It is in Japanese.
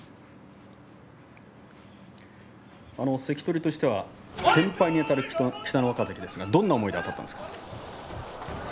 関取としては先輩にあたる北の若関ですがどんな思いだったんですか。